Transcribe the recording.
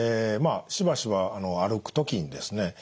しばしば歩く時にですね